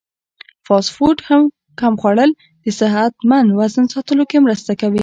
فاسټ فوډ کم خوړل د صحتمند وزن ساتلو کې مرسته کوي.